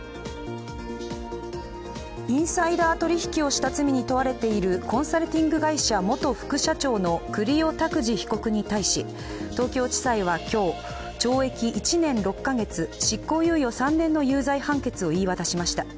インサイダー取引をした罪に問われているコンサルティング会社元副社長の栗尾拓滋被告に対し、東京地裁は今日、懲役１年６か月、執行猶予３年の有罪判決を言い渡しました。